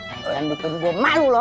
kan bikin gue malu loh